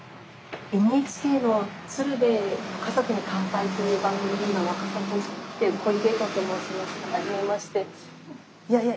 ＮＨＫの「鶴瓶の家族に乾杯」という番組で今若桜町に来てるはじめまして。